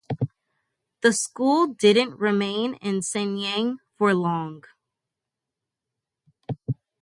The school didn't remain in Shenyang for long.